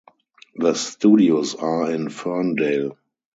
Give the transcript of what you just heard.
The studios are in Ferndale.